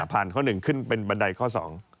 พอผ่านข้อหนึ่งขึ้นเป็นบันไดข้อสอง